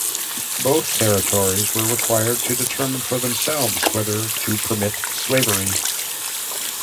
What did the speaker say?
Both territories were required to determine for themselves whether to permit slavery.